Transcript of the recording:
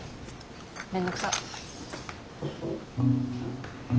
面倒くさ。